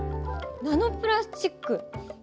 ナノプラスチック？